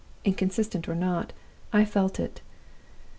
Inconsistent or not, I felt it.